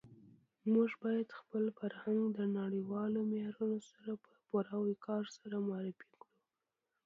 موږ باید خپل فرهنګ د نړیوالو معیارونو سره په پوره وقار سره معرفي کړو.